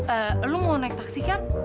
eh lu mau naik taksi kan